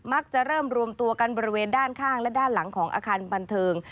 มักจะเริ่มรวมตัวกันบริเวณด้านข้างและด้านหลังของอาคารบันเทิง